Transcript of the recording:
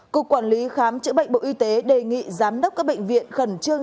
cục quản lý khám chữa bệnh bộ y tế đề nghị giám đốc các bệnh viện khẩn trương